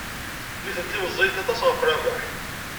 Nitenti meẓẓiyit aṭas ɣef Rabaḥ.